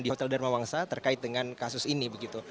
di hotel dharma wangsa terkait dengan kasus ini begitu